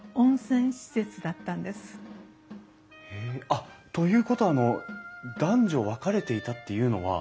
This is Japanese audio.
あっということはあの男女分かれていたっていうのは。